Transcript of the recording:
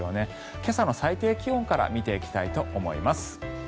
今朝の最低気温から見ていきたいと思います。